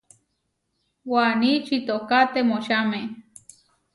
Waní čitoká temočáme.